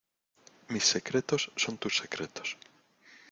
mis secretos son tus secretos.